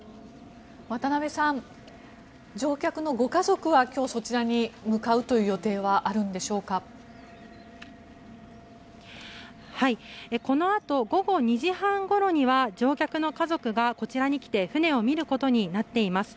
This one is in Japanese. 渡辺さん、乗客のご家族は今日、そちらに向かうという予定はこのあと午後２時半ごろには乗客の家族がこちらに来て船を見ることになっています。